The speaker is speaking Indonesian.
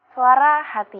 suara hati ibu